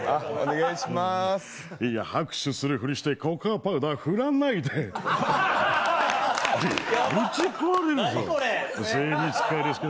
いや、拍手するふりしてココアパウダー振らないで。